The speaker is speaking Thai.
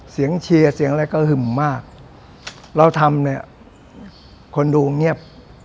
เชียร์เสียงอะไรก็หึ่มมากเราทำเนี่ยคนดูเงียบ